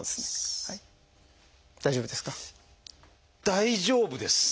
大丈夫ですか？